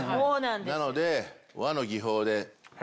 なので和の技法で。